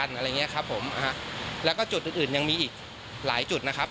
อะไรอย่างเงี้ยครับผมนะฮะแล้วก็จุดอื่นอื่นยังมีอีกหลายจุดนะครับ